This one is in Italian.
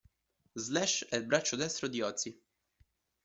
Slash è il braccio destro di Ozzie.